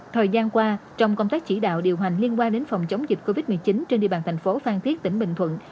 thời gian qua trong công tác chỉ đạo điều hành liên quan đến phòng chống dịch covid một mươi chín trên địa bàn thành phố phan thiết tỉnh bình thuận